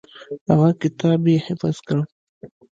هغه کتاب یې حفظ کړ.